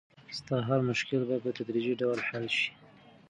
ستا هر مشکل به په تدریجي ډول حل شي.